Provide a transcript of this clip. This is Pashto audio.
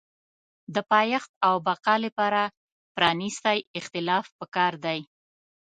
د پایښت او بقا لپاره پرانیستی اختلاف پکار دی.